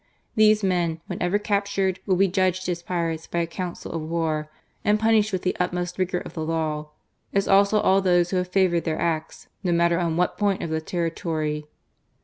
These men, whenever captured, will be judged as pirates by a council of war, and punished with the utmost rigour of the law ; as also all those who have favoured their acts, no matter on what point of the territory."